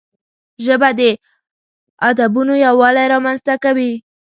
ژبه د ادبونو یووالی رامنځته کوي